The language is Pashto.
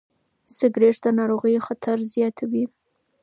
سګرېټ د ناروغیو خطر زیاتوي.